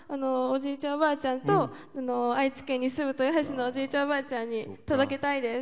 おばあちゃんと愛知県に住む豊橋のおじいちゃん、おばあちゃんに届けたいです。